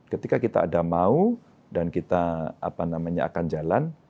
ketika kita ada mau dan kita akan jalan